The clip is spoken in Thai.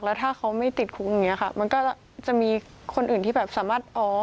แล้วถ้าเขาไม่ติดคุกอย่างนี้ค่ะมันก็จะมีคนอื่นที่แบบสามารถอ๋อ